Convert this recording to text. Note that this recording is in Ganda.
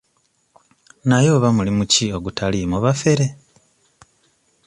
Naye oba mulimu ki ogutaliimu bafere?